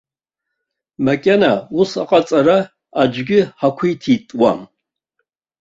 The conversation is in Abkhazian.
Макьана ус аҟаҵара аӡәгьы ҳақәиҭитәуам.